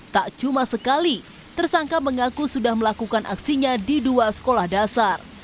tak cuma sekali tersangka mengaku sudah melakukan aksinya di dua sekolah dasar